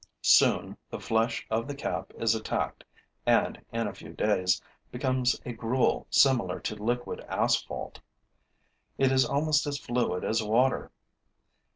Soon, the flesh of the cap is attacked and, in a few days, becomes a gruel similar to liquid asphalt. It is almost as fluid as water.